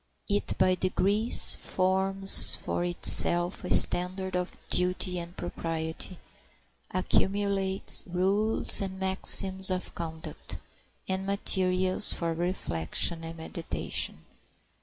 It by degrees forms for itself a standard of duty and propriety, accumulates rules and maxims of conduct, and materials for reflection and meditation.